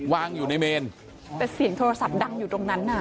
วางอยู่ในเมนแต่เสียงโทรศัพท์ดังอยู่ตรงนั้นน่ะ